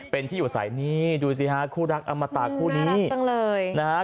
เป็นที่อยู่ใส่นี่ดูสิค่ะคู่รักอมตากูนี้น่ารักจังเลย